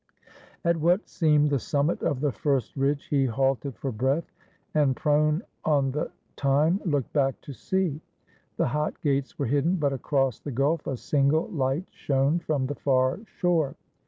At what seemed the summit of the first ridge he halted for breath, and, prone on the thyme, looked back to sea. The Hot Gates were hidden, but across the gulf a single light shone from the far shore.